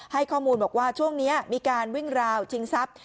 ให้ข้อมูลบอกว่าช่วงนี้มีการวิ่งราวชิงทรัพย์